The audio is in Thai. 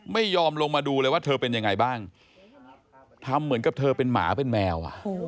ไม่ยอมลงมาดูเลยว่าเธอเป็นยังไงบ้างทำเหมือนกับเธอเป็นหมาเป็นแมว